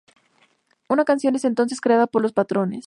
Una canción es entonces creada por los patrones.